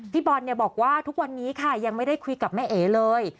พี่บอลบอกว่าทุกวันนี้ค่ะยังไม่ได้คุยกับแม่เอ๋เลย